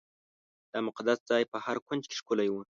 دا مقدس ځای په هر کونج کې ښکلی و.